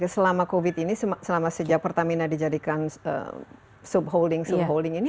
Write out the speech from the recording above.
selama covid ini selama sejak pertamina dijadikan subholding subholding ini